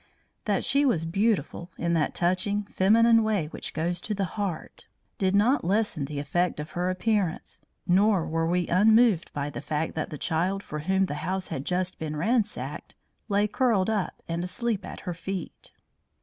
That she was beautiful, in that touching, feminine way which goes to the heart, did not lessen the effect of her appearance, nor were we unmoved by the fact that the child for whom the house had just been ransacked lay curled up and asleep at her feet.